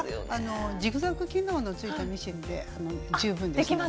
ジグザグ機能のついたミシンで十分できるので。